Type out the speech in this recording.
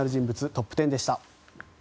トップ１０でした。